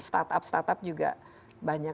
start up start up juga banyak